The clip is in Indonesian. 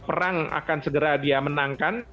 perang akan segera dia menangkan